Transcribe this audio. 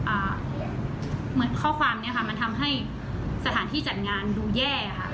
เหมือนข้อความเนี้ยค่ะมันทำให้สถานที่จัดงานดูแย่ค่ะ